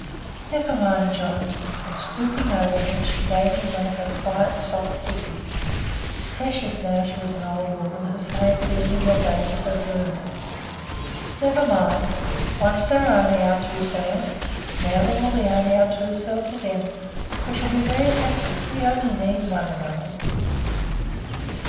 "Never mind, John;" and stooping over him, she gave him one of her quiet, soft kisses, precious now she was an old woman as they had been in the days of her bloom. "Never mind. Once there were only our two selves now there will be only our two selves again. We shall be very happy. We only need one another."